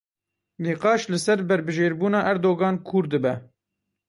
Nîqaş, li ser berbijêrbûna Erdogan kûr dibe.